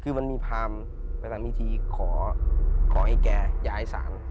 คือมันมีพรามไปทำพิธีขอให้แกย้ายสาร